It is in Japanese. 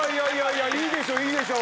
いいでしょいいでしょ？